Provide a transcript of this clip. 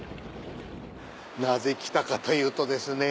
なぜ来たかというとですね